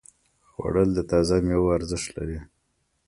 خوړل د تازه ميوو ارزښت لري